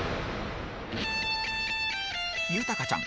豊ちゃん